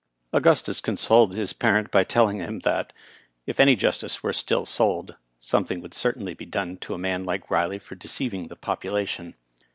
Augustus consoled his parent by telling him that, if any justice were still sold, something could certainly be done to a man like Riley for deceiving the population.